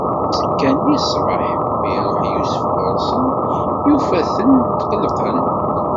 Azekka-nni ṣṣbeḥ, mi iṛuḥ Yusef ɣur-sen, yufa-ten tqelqen.